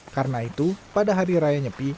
karena itu pada hari raya nyepi